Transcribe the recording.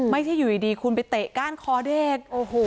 ไม่ใช่อยู่ดีคุณไปเตะก้านคอเด็ก